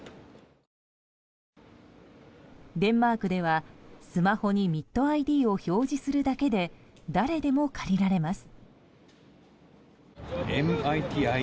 デンマークではスマホにＭｉｔＩＤを表示するだけで誰でも借りられます。